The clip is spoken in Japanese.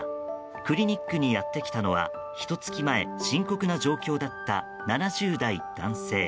クリニックにやってきたのはひと月前、深刻な状況だった７０代男性。